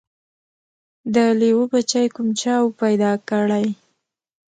د لېوه بچی کوم چا وو پیدا کړی